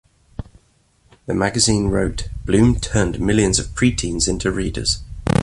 The magazine wrote, Blume turned millions of pre-teens into readers.